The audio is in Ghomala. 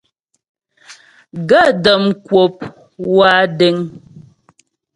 Gaə̌ də́ m kwə̂p wa deŋ.